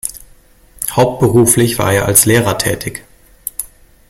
Hauptberuflich war er als Lehrer tätig.